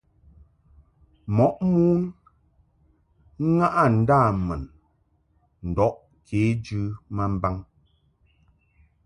Mɔʼ mon ŋaʼɨ ndâmun ndɔʼ kejɨ ma mbaŋ.